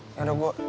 ya yaudah gue